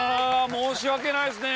申し訳ないですね。